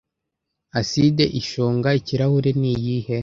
Acide ishonga ikirahuri ni iyihe